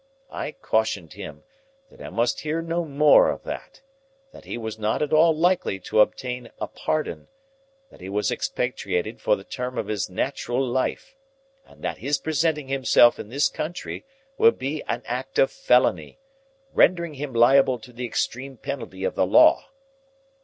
I cautioned him that I must hear no more of that; that he was not at all likely to obtain a pardon; that he was expatriated for the term of his natural life; and that his presenting himself in this country would be an act of felony, rendering him liable to the extreme penalty of the law.